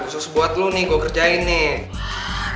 khusus buat lo nih gue ngerjain nih